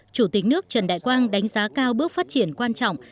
chủ tịch nước trần đại quang đánh giá cao bước phát triển quan trọng